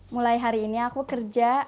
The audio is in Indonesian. mulai hari ini aku kerja